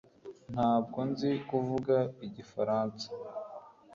Ntabwo nzi kuvuga Igifaransa